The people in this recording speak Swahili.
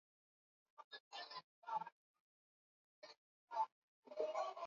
Walitembea kwa masafa marefu